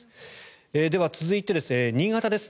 では、続いて新潟ですね。